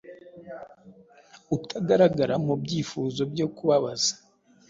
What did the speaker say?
Utagaragara mubyifuzo byo kubabaza